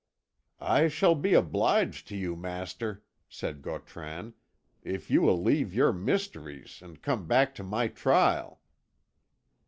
"I shall be obliged to you, master," said Gautran, "if you will leave your mysteries, and come back to my trial."